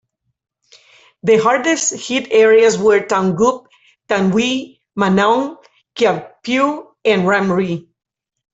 The hardest hit areas were Taungup, Thandwe, Manaung, Kyaukpyu, and Ramree.